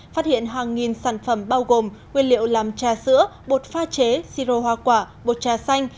phát hiện hàng nghìn sản phẩm bao gồm nguyên liệu làm trà sữa bột pha chế si rô hoa quả bột trà xanh